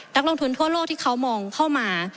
นักลงทุนทั่วโลกที่เขามองเข้ามา